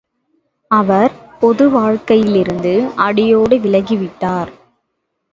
அவர் பொது வாழ்க்கையிலிருந்து அடியோடு விலகி விட்டார்.